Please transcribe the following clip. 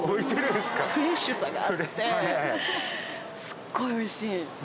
すっごいおいしい？